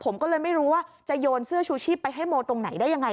ผมก็เลยไม่รู้ว่าจะโยนเสื้อชูชีพไปให้โมตรงไหนได้ยังไง